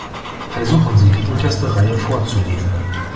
Versuchen Sie, die unterste Reihe vorzulesen.